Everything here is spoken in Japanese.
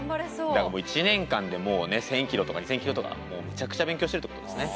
だからもう１年間で１，０００ｋｍとか２，０００ｋｍとかもうめちゃくちゃ勉強してるってことですね。